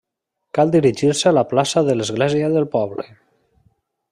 Cal dirigir-se a la plaça de l'Església del poble.